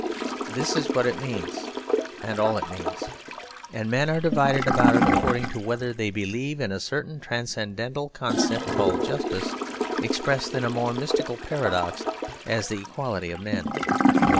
This is what it means and all it means; and men are divided about it according to whether they believe in a certain transcendental concept called 'justice,' expressed in a more mystical paradox as the equality of men.